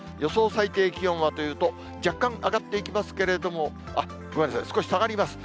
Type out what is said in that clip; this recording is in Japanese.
最低気温はというと、若干上がっていきますけれども、ごめんなさい、少し下がります。